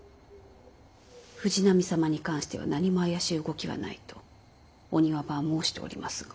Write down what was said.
藤波様に関しては何も怪しい動きはないとお庭番は申しておりますが。